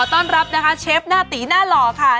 ต้อนรับนะคะเชฟหน้าตีหน้าหล่อค่ะ